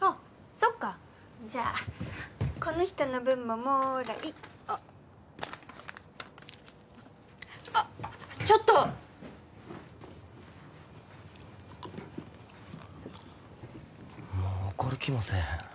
そっかじゃあこの人の分ももらいあっあっちょっともう怒る気もせえへん